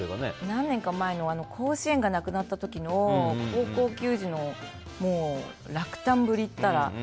何年か前の甲子園がなくなった時の高校球児の落胆ぶりったら。